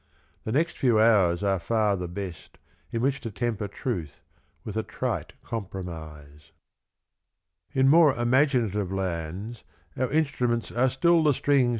The next few hours are far the best In which to temper tnith with a trite compromise. In more imaginative lands Our instruments are still the strings 69 Et in Arcadia, Omnes.